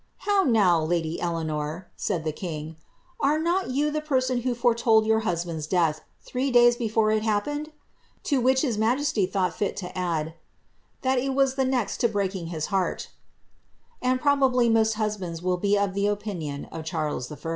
' How now, lady Eleanor,' said the king, 'are not you the person who foretold your husband's death three days Defoie it happened ?' to which his majesty thought fit to add, ' that it was the next to breaking his heart' " And probably most husbands will be of the opinion of Charles I.